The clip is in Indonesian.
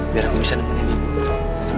biar aku bisa nemenin